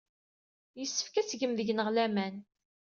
Yessefk ad tgem deg-neɣ laman.